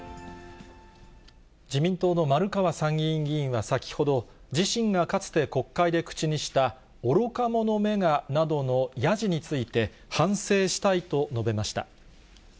自民党の丸川参議院議員は先ほど、自身がかつて国会で口にした愚か者めが、などのやじについて、反省したいと述べました。